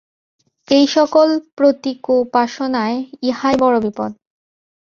এই-সকল প্রতীকোপাসনায় ইহাই বড় বিপদ।